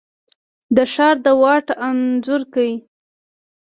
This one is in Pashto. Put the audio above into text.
د ښار د واټ انځور کي،